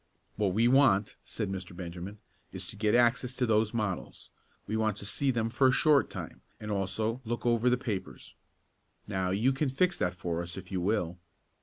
"What we want," said Mr. Benjamin, "is to get access to those models. We want to see them for a short time, and also look over the papers. Now you can fix that for us if you will."